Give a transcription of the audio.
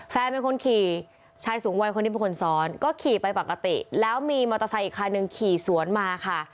แฟนเป็นคนขี่ชายสูงวัยคนนี้เป็นคนซ้อนก็ขี่ไปปกติแล้วมีมอเตอร์ไซค์อีกคันหนึ่งขี่สวนมาค่ะ